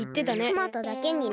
トマトだけにね。